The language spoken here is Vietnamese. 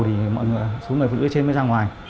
mọi người phụ nữ trên mới ra ngoài